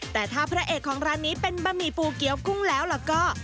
แต่ถ้าพระเอกของร้านนี้เป็นบะหมี่ปูเกี้ยวกุ้งแล้วล่ะก็